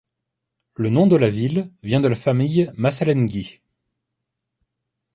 Le nom de la ville vient de la famille Massalenghi.